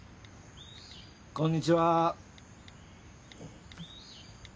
こんにちは。